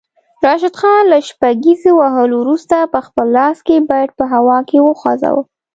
راشد خان له شپږیزې وهلو وروسته پخپل لاس کې بیټ په هوا کې وخوځاوه